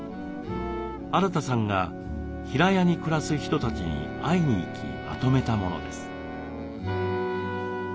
アラタさんが平屋に暮らす人たちに会いに行きまとめたものです。